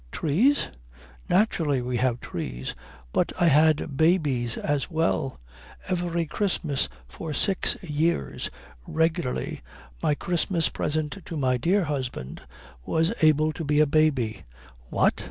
"Trees? Naturally we have trees. But I had babies as well. Every Christmas for six years regularly my Christmas present to my dear husband was able to be a baby." "What?"